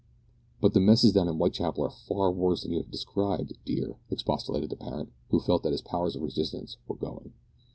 "But the messes down in Whitechapel are much worse than you have described, dear," expostulated the parent, who felt that his powers of resistance were going.